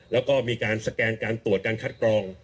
แล้วก็มีการสแกนการตรวจการคัดกรอง